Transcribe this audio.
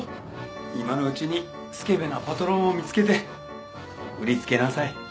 今のうちにスケベなパトロンを見つけて売りつけなさい